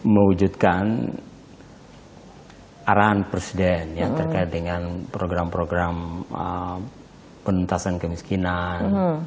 mewujudkan arahan presiden yang terkait dengan program program penuntasan kemiskinan